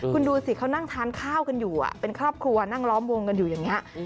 คุณดูสิเขานั่งทานข้าวกันอยู่เป็นครอบครัวนั่งล้อมวงกันอยู่อย่างนี้